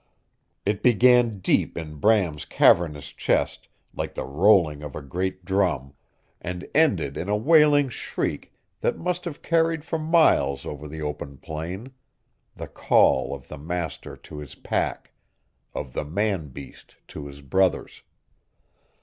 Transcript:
It began deep in Bram's cavernous chest, like the rolling of a great drum, and ended in a wailing shriek that must have carried for miles over the open plain the call of the master to his pack, of the man beast to his brothers.